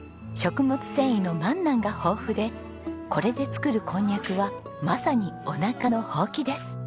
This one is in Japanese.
食物繊維のマンナンが豊富でこれで作るこんにゃくはまさに「おなかのホウキ」です。